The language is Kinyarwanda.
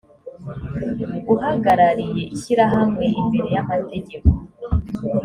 uhagarariye ishyirahamwe imbere y’amategeko